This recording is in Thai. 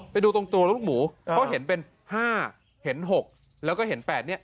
ไปดูตรงตัวลูกหมูเพราะเห็นเป็น๕เห็น๖แล้วก็เห็น๘เนี่ย